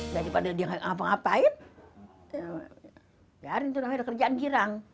daripada dia ngapa ngapain biarin itu lah kerjaan girang